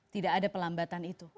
tidak ada pelambatan itu